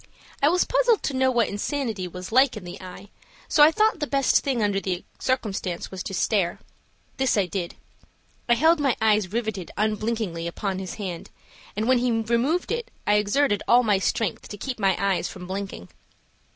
I was puzzled to know what insanity was like in the eye, so I thought the best thing under the circumstances was to stare. This I did. I held my eyes riveted unblinkingly upon his hand, and when he removed it I exerted all my strength to still keep my eyes from blinking.